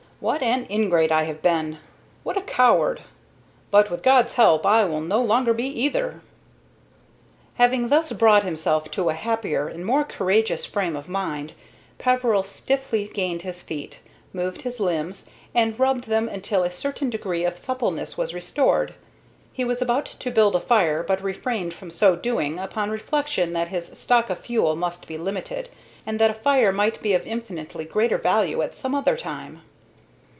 What an ingrate I have been! What a coward! But, with God's help, I will no longer be either!" Having thus brought himself to a happier and more courageous frame of mind, Peveril stiffly gained his feet, moved his limbs, and rubbed them until a certain degree of suppleness was restored. He was about to build a fire, but refrained from so doing upon reflection that his stock of fuel must be limited, and that a fire might be of infinitely greater value at some other time.